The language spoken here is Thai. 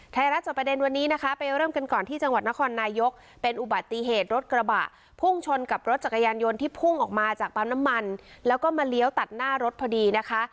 ไทยรัฐจอบประเด็นวันนี้นะคะไปเริ่มกันก่อนที่จังหวัดนครนายกเป็นอุบัติเหตุรถกระบะพุ่งชนกับรถจักรยานยนต์ที่พุ่งออกมาจากปั๊มน้ำมันแล้วก็มาเลี้ยวตัดหน้ารถพอดีนะคะ